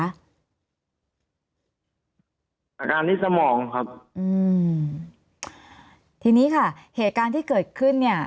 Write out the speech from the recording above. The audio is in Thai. อาการที่สมองครับอืมทีนี้ค่ะเหตุการณ์ที่เกิดขึ้นเนี่ย